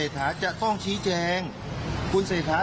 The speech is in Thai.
ถ้าคุณชุวิตชีวิตอยู่ทีนะครับ